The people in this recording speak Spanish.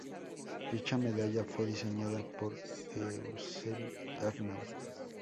Dicha Medalla fue diseñada por Eusebi Arnau.